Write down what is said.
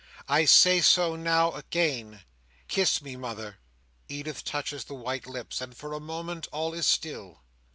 I say so now, again. Kiss me, mother." Edith touches the white lips, and for a moment all is still.